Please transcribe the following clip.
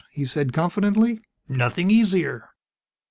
he'd said, confidently, "nothing easier.